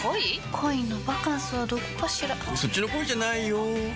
恋のバカンスはどこかしらそっちの恋じゃないよ